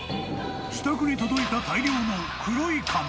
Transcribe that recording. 自宅に届いた大量の黒い紙。